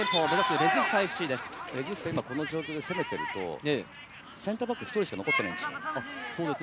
レジスタ、今この状況で攻めていると、センターバックが１人しか残っていないんですよ。